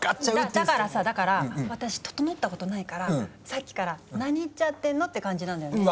だからさだから私ととのったことないからさっきから「何言っちゃってんの？」って感じなんだよね。